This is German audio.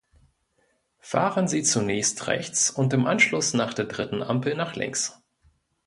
Fahren Sie zunächst rechts und im Anschluss nach der dritten Ampel nach links.